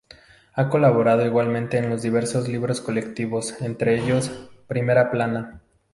Ha colaborado igualmente en diversos libros colectivos, entre ellos “Primera plana.